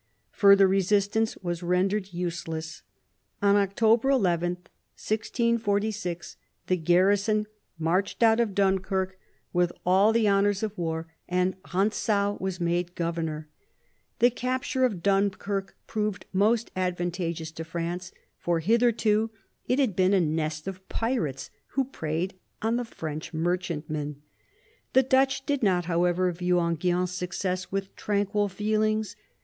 Further resistance was rendered useless. On October 1 1, 1646, the garrison marched out of Dunkirk with all the I THE EARLY YEARS OF MAZARIN'S MINISTRY 19 honours of war, and Rantzau was made governor. The capture of Dunkirk proved most advantageous to France, for hitherto it had been a nest of pirates who preyed on the French merchantmen. The Dutch did not, how ever, view Enghien's success with tranquil feelings.